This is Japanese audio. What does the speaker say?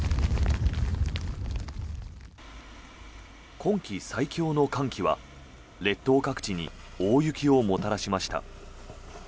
今季最強の寒気は列島各地に大雪をもたらしました。